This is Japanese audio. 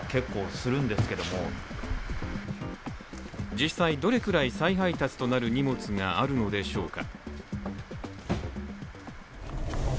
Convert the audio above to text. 実際、どれくらい再配達となる荷物があるのでしょうか？